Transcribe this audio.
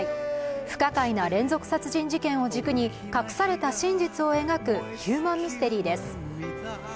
不可解な連続殺人事件を軸に隠された真実を描くヒューマンミステリーです。